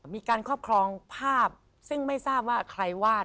มีการครอบครองภาพซึ่งไม่ทราบว่าใครวาด